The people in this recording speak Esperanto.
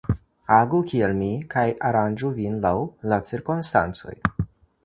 Agu kiel mi, kaj aranĝu vin laŭ la cirkonstancoj.